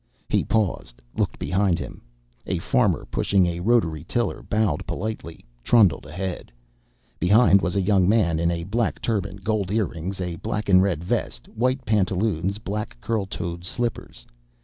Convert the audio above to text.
He paused, looked behind him. A farmer pushing a rotary tiller, bowed politely, trundled ahead. Behind was a young man in a black turban, gold earrings, a black and red vest, white pantaloons, black curl toed slippers.